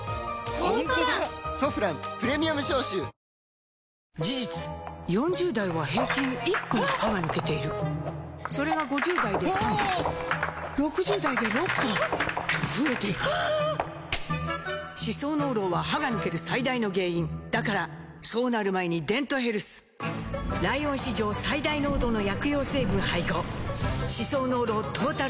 「ソフランプレミアム消臭」事実４０代は平均１本歯が抜けているそれが５０代で３本６０代で６本と増えていく歯槽膿漏は歯が抜ける最大の原因だからそうなる前に「デントヘルス」ライオン史上最大濃度の薬用成分配合歯槽膿漏トータルケア！